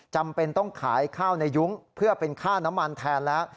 จำเป็นต้องขายข้าวในยุ้งเพื่อเป็นค่าน้ำมันแทนแล้ว